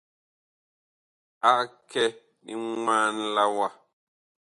Ag kɛ limwaan la wa.